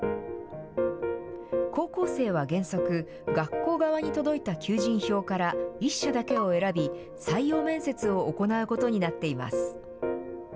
高校生は原則、学校側に届いた求人票から１社だけを選び、採用面接を行うことになっています。